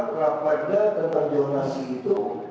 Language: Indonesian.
tidak terlalu berangkat